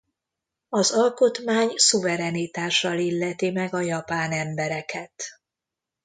Az alkotmány szuverenitással illeti meg a japán embereket.